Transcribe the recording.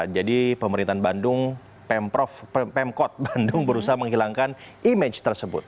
jadi pemerintahan bandung pemkot bandung berusaha menghilangkan image tersebut